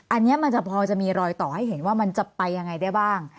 อันนี้มันจะพอจะมีรอยต่อให้เห็นว่ามันจะไปยังไงได้บ้าง